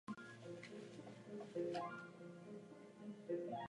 Pochází z města Boulder ve státě Colorado.